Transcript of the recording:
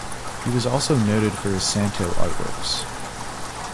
He was also noted for his santo artworks.